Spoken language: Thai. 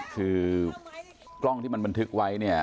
คือกล้องที่มันบันทึกไว้เนี่ย